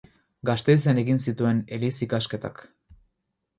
Gasteizen egin zituen eliz ikasketak.